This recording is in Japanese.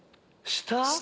下？